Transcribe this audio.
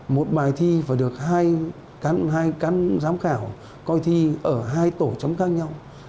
một bài thi và được hai cán giám khảo coi thi ở hai tổ chấm khác nhau